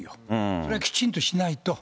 それはきちんとしないと。